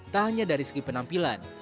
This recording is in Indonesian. tak hanya dari segi penampilan